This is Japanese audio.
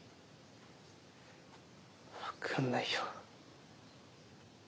分かんないよ。